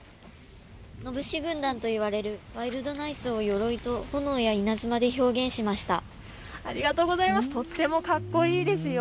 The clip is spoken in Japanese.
野武士軍団といわれるワイルドナイツをよろいと炎と稲妻で表現しました。